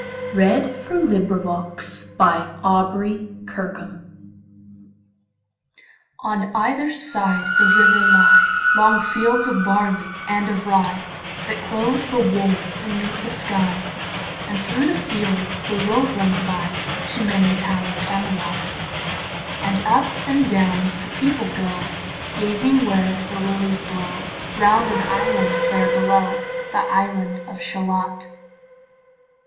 W X . Y Z The Lady of Shallot PART I ON EITHER side the river lie Long fields of barley and of rye, That clothe the wold and meet the sky; And thro' the field the road runs by To many tower'd Camelot; And up and down the people go, Gazing where the lilies blow Round an island there below, The island of Shalott.